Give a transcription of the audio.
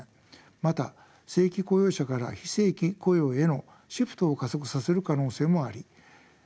また正規雇用者から非正規雇用へのシフトを加速させる可能性もあります。